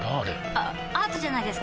あアートじゃないですか？